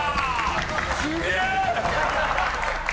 すげえ！